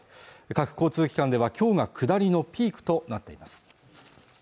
各交通機関ではきょうが下りのピークとなっています